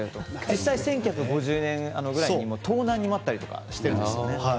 実際１９５０年くらいに盗難にも遭ったりしてるんです。